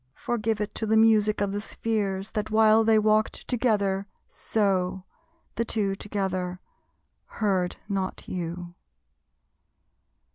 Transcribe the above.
Forgive it to the music of the spheres That while they walked together so, the Two Together, heard not you.